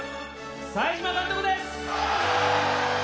冴島監督です！